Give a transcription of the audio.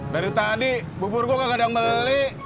dari tadi bubur gua gak ada yang beli